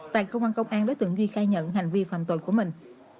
tại cơ quan công an đối tượng duy khai nhận hành vi phạm tội của mình